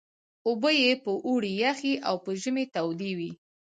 اوبه یې په اوړي یخې او په ژمي تودې وې.